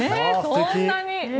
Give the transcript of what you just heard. そんなに！